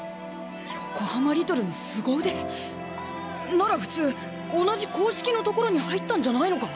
横浜リトルの凄腕⁉なら普通同じ硬式の所に入ったんじゃないのか